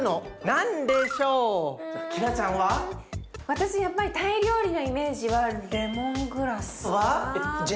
私やっぱりタイ料理のイメージはレモングラスかな。